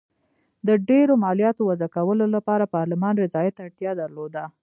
د ډېرو مالیاتو وضعه کولو لپاره پارلمان رضایت ته اړتیا درلوده.